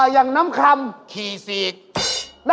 อย่างพ่อยตะวันออกก็ไม่แรงนะ